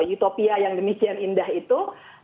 utopia yang demikian indah itu